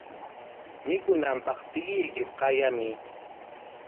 Mikunanpaq tiyuykita qayamuy.